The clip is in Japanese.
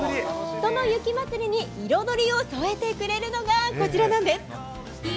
その雪まつりに彩りを添えてくれるのがこちらなんです。